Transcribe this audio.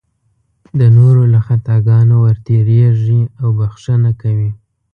د نورو له خطاګانو ورتېرېږي او بښنه کوي.